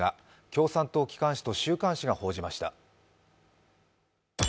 共産党機関紙と週刊誌が報じました。